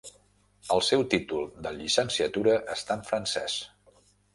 El seu títol de llicenciatura està en francès.